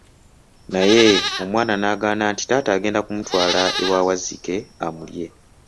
Naye omwana nagaana nti taata agenda kumutwala ewa Wazzike amulye.